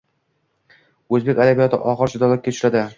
Oʻzbek adabiyoti ogʻir judolikka uchradi